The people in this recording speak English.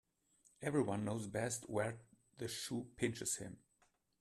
Every one knows best where the shoe pinches him.